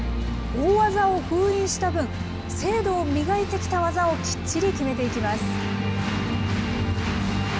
大技を封印した分、精度を磨いてきた技をきっちり決めていきます。